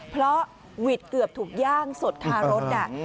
เพราะหวิดเกือบถูกย่างสดคารถ